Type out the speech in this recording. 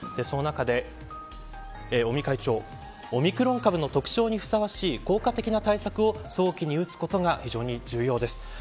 その中で尾身会長はオミクロン株の特徴にふさわしい効果的な対策を早期に打つことが非常に重要です。